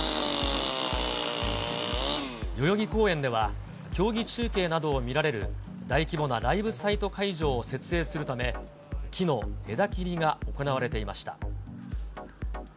代々木公園では、競技中継などを見られる、大規模なライブサイト会場を設営するため、木の枝切りが行われていました。